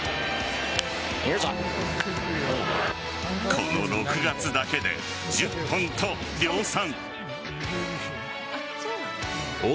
この６月だけで１０本と量産。